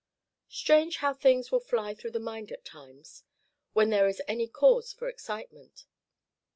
Strange how things will fly through the mind at times, when there is any cause for excitement.